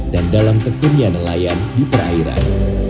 dan dalam tekun yang nelayan di perairan